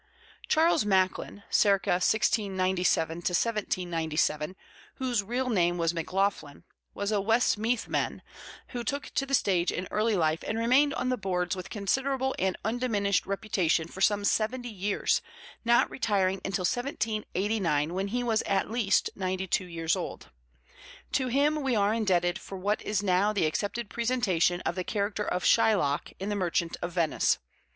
Charles Macklin (c. 1697 1797), whose real name was MacLaughlin, was a Westmeath man, who took to the stage in early life and remained on the boards with considerable and undiminished reputation for some seventy years, not retiring until 1789 when he was at least 92 years old. To him we are indebted for what is now the accepted presentation of the character of Shylock in The Merchant of Venice.